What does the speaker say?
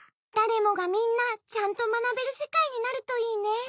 だれもがみんなちゃんとまなべるせかいになるといいね。